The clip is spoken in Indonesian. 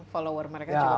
follower mereka juga banyak